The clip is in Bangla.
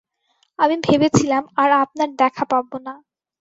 আমি ভেবেছিলাম আর আপনার দেখা পাবোনা।